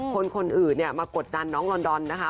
คนอื่นมากดดันน้องลอนดอนนะคะ